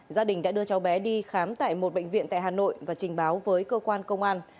gia đình đã đưa cháu bé đi khám tại một bệnh viện tại hà nội và trình báo với cơ quan công an